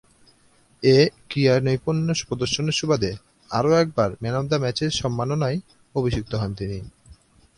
এ ক্রীড়ানৈপুণ্য প্রদর্শনের সুবাদে আরও একবার ম্যান অব দ্য ম্যাচের সম্মাননায় অভিষিক্ত হন তিনি।